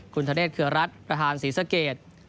คุณธเนธเครือรัฐประธานศรีสเกต